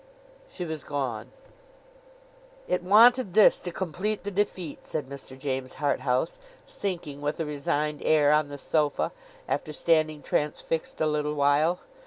She was gone. 'It wanted this to complete the defeat,' said Mr. James Harthouse, sinking, with a resigned air, on the sofa, after standing transfixed a little while.